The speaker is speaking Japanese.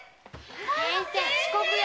先生遅刻よ。